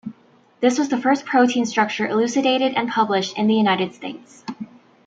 This was the first protein structure elucidated and published in the United States.